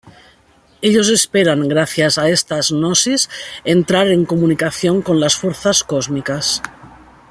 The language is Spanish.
Ellos esperan, gracias a esta gnosis, entrar en comunicación con las fuerzas cósmicas.